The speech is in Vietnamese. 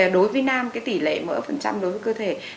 đối với nam cái tỷ lệ mỡ phần trăm đối với cơ thể